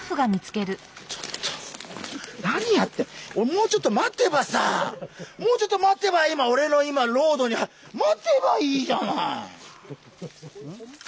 もうちょっと待てばさもうちょっと待てば今オレのロードに待てばいいじゃない！